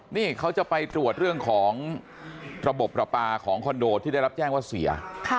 นี่เขาจะไปตรวจเรื่องของระบบประปาของคอนโดที่ได้รับแจ้งว่าเสีย